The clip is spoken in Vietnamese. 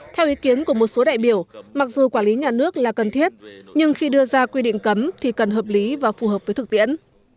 theo ý kiến của một số đại biểu mặc dù quản lý nhà nước là cần thiết nhưng khi đưa ra quy định cấm thì cần hợp lý và phù hợp với thực tiễn